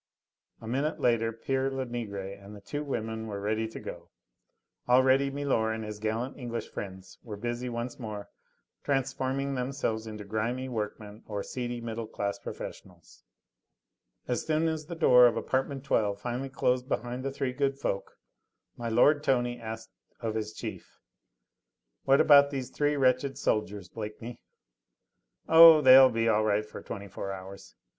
A minute later pere Lenegre and the two women were ready to go. Already milor and his gallant English friends were busy once more transforming themselves into grimy workmen or seedy middle class professionals. As soon as the door of apartment No. 12 finally closed behind the three good folk, my lord Tony asked of his chief: "What about these three wretched soldiers, Blakeney?" "Oh! they'll be all right for twenty four hours.